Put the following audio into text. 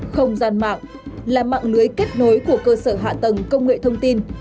không gian mạng là mạng lưới kết nối của cơ sở hạ tầng công nghệ thông tin